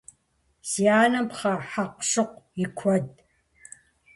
Си анэм пхъэ хьэкъущыкъу и куэдт.